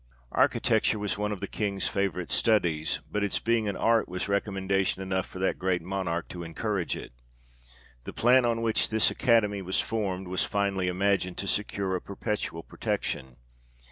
Architecture was one of the King's favourite studies ; but its being an art was recommendation enough for that great Monarch to encourage it. The plan on which this Academy was formed, was finely imagined to secure a perpetual protection.